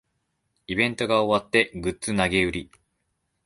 イベントが終わってグッズ投げ売り